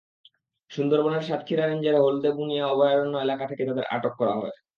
সুন্দরবনের সাতক্ষীরা রেঞ্জের হলদেবুনিয়া অভয়ারণ্য এলাকা থেকে তাঁদের আটক করা হয়।